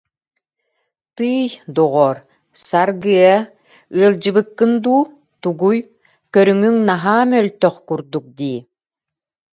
Тыый, доҕоор, Саргы-ыа, ыалдьыбыккын дуу, тугуй, көрүҥүн наһаа мөлтөх курдук дии